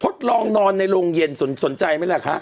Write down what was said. ทดลองนอนในโรงเย็นสนใจไหมล่ะคะ